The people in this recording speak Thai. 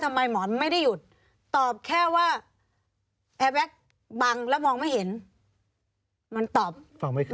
ทำไมหมอมันไม่ได้หยุดตอบแค่ว่าบังแล้วมองไม่เห็นมันตอบฟังไม่ขึ้น